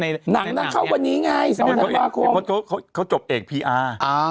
หนังน่ะเข้าไปนี้ไงสมมุติว่าพี่หนุ่มเขาจบเอกพีอาร์